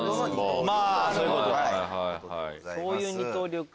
そういう二刀流か。